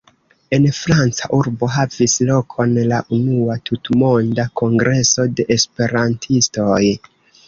En franca urbo havis lokon la unua tutmonda kongreso de Esperantistoj.